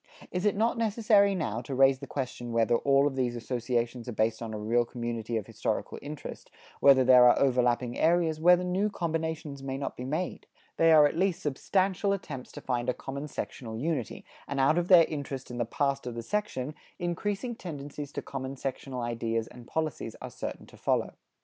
It is not necessary now to raise the question whether all of these associations are based on a real community of historical interest, whether there are overlapping areas, whether new combinations may not be made? They are at least substantial attempts to find a common sectional unity, and out of their interest in the past of the section, increasing tendencies to common sectional ideas and policies are certain to follow.